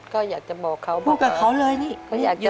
ก็อยากจะบอกเขาอยากจะบอกเขาว่าลุงกับเขาเลยนี่